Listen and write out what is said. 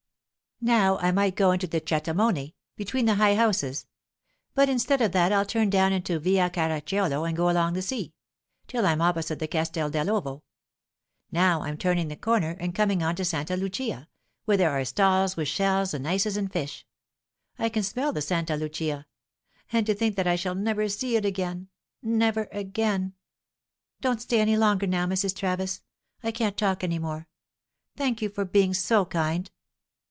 Now I might go into the Chiatamone, between the high houses; but instead of that I'll turn down into Via Caracciolo and go along by the sea, till I'm opposite the Castel dell' Ovo. Now I'm turning the corner and coming on to Santa Lucia, where there are stalls with shells and ices and fish. I can smell the Santa Lucia. And to think that I shall never see it again, never again. Don't stay any longer now, Mrs. Travis. I can't talk any more. Thank you for being so kind."